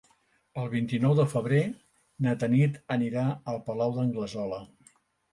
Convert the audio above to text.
El vint-i-nou de febrer na Tanit anirà al Palau d'Anglesola.